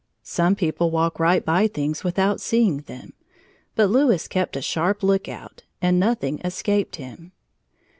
Some people walk right by things without seeing them, but Louis kept a sharp lookout, and nothing escaped him.